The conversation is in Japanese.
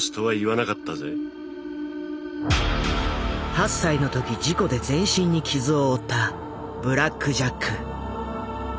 ８歳の時事故で全身に傷を負ったブラック・ジャック。